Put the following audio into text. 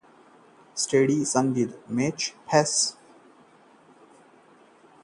stadium में संदिग्ध सामान मिलने के बाद लिया गया मैच रद्द करने का फैसला